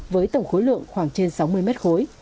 với tổng khối lượng khoảng trên sáu mươi mét khối